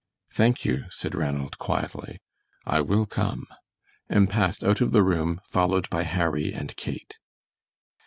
"Thank you," said Ranald, quietly, "I will come," and passed out of the room, followed by Harry and Kate.